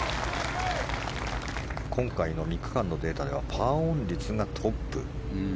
今回の３日間のデータではパーオン率がトップ。